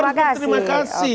semua berterima kasih